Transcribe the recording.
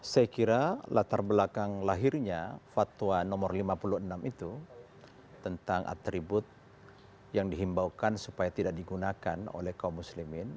saya kira latar belakang lahirnya fatwa nomor lima puluh enam itu tentang atribut yang dihimbaukan supaya tidak digunakan oleh kaum muslimin